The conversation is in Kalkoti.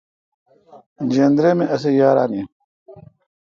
جندرے می اسی یاران این۔